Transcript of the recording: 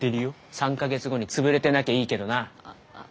３か月後に潰れてなきゃいいけどな。